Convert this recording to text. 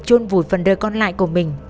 chôn vùi phần đời còn lại của mình